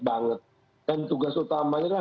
banget dan tugas utamanya